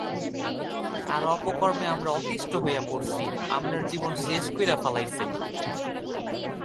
তার অপকর্মে আমরা অতিষ্ঠ হইয়া পড়ছি, আমরার জীবন শেষ কইরা ফালাইছে।